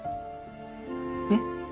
えっ？